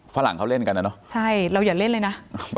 ฝรั่งเขาเล่นกันนะเนอะใช่เราอย่าเล่นเลยนะ